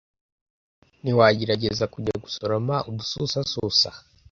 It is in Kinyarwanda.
ntiwagerageza kujya gusoroma udususasusa